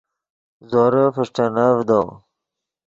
زورے فݰٹینڤدو